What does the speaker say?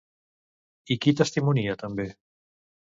I qui testimonia també?